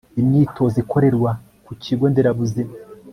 imyitozo ikorerwa ku kigo nderabuzima